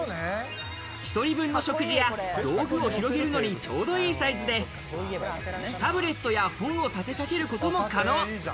１人分の食事や道具を広げるのに、ちょうどいいサイズでタブレットや本を立てかけることも可能。